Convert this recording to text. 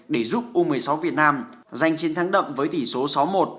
để giúp u một mươi sáu việt nam giành chiến thắng đậm với tỷ số sáu một